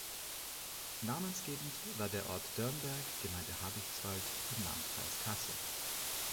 Namensgebend war der Ort Dörnberg, Gemeinde Habichtswald, im Landkreis Kassel.